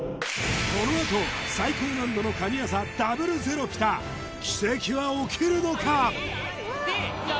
このあと最高難度の神業ダブルゼロピタ奇跡は起きるのか？